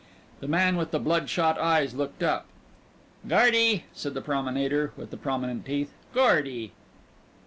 The man with the blood shot eyes looked up. "Gordy," said the promenader with the prominent teeth, "Gordy."